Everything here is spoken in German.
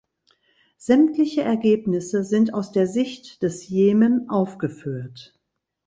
Sämtliche Ergebnisse sind aus der Sicht des Jemen aufgeführt.